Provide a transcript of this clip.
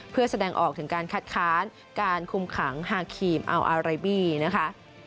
เพื่อแสดงออกถึงการคัดค้านการคุมขังฮาครีมอัลอาเรบี้นะคะ